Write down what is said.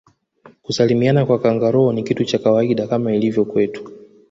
kusalimiana kwa kangaroo ni kitu cha kawaida kama ilivyo kwetu